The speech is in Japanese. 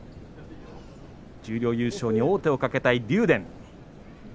十両優勝に王手をかけたい竜電。